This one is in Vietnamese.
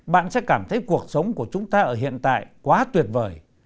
bạn sẽ cảm thấy cuộc sống của chúng ta ở hiện tại quá tuyệt vời